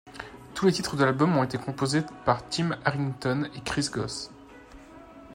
Tous les titres de l'album ont été composés par Tim Harrington et Chris Goss.